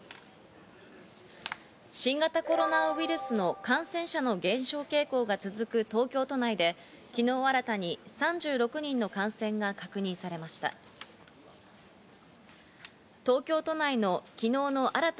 新型コロナウイルスの感染者の減少傾向が続く東京都内で昨日新たに３６人の感染が確認されました。